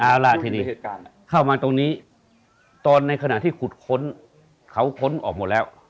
เอาล่ะทีนี้เข้ามาตรงนี้ตอนในขณะที่ขุดค้นเขาค้นออกหมดแล้ว